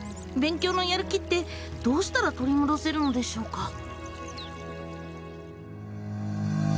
勉強のやる気ってどうしたら取り戻せるのでしょうか？